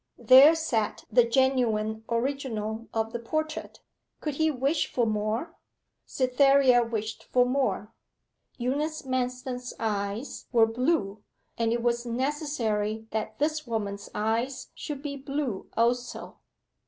There sat the genuine original of the portrait could he wish for more? Cytherea wished for more. Eunice Manston's eyes were blue, and it was necessary that this woman's eyes should be blue also.